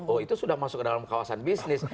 oh itu sudah masuk ke dalam kawasan bisnis